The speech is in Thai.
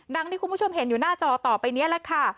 ที่คุณผู้ชมเห็นอยู่หน้าจอต่อไปนี้แหละค่ะ